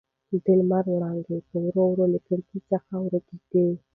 د لمر وړانګې په ورو ورو له کړکۍ څخه ورکېدې.